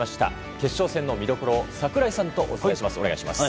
決勝戦の見どころを櫻井さんとお伝えします。